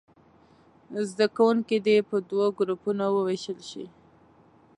زده کوونکي دې په دوو ګروپونو ووېشل شي.